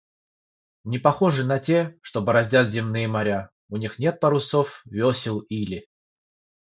не похожи на те, что бороздят земные моря, у них нет парусов, весел или